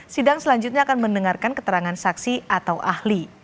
sidang selanjutnya akan mendengarkan keterangan saksi atau ahli